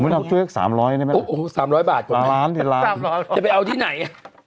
ถ้าเราช่วยแค่๓๐๐บาทจะไปเอาที่ไหน